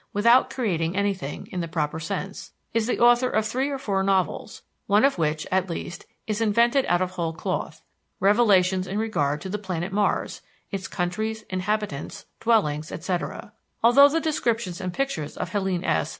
without creating anything, in the proper sense is the author of three or four novels, one of which, at least, is invented out of whole cloth revelations in regard to the planet Mars, its countries, inhabitants, dwellings, etc. Although the descriptions and pictures of Helène S.